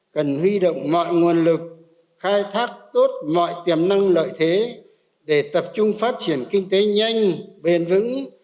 cần huy động mọi nguồn lực khai thác tốt mọi tiềm năng lợi thế để tập trung phát triển kinh tế nhanh bền vững